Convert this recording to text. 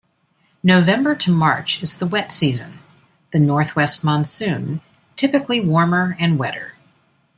November to March is the wet season-the northwest monsoon-typically warmer and wetter.